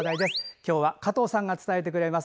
今日は加藤さんが伝えてくれます。